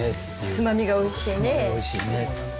つまみがおいしいねって。